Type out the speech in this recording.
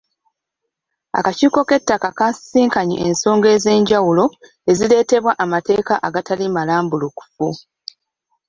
Akakiiko k'ettaka kasisinkanye ensonga ez'enjawulo ezireetebwa amateeka agatali malambulukufu.